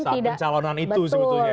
saat pencalonan itu sebetulnya